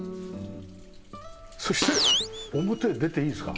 そして表へ出ていいですか？